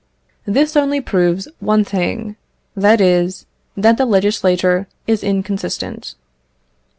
This only proves one thing, that is, that the legislator is inconsistent.